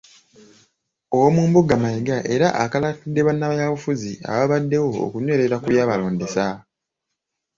Owoomumbuga Mayiga era akalaatidde bannabyabufuzi ababaddewo okunywerera ku byabalondesa.